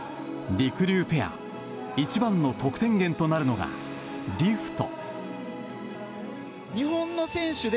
りくりゅうペア一番の得点源となるのがリフト。